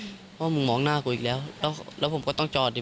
เพราะมึงมองหน้ากูอีกแล้วแล้วผมก็ต้องจอดดิ